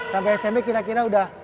sampai smp kira kira udah